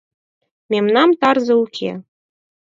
— Мемнан тарзе уке!